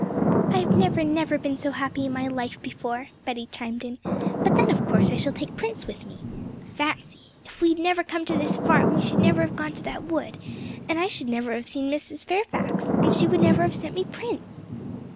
'I've never, never been so happy in my life before,' Betty chimed in; 'but then of course I shall take Prince with me. Fancy! If we had never come to this farm, we should never have gone to that wood, and I should never have seen Mrs. Fairfax, and she would have never sent me Prince!'